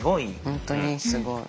本当にすごい。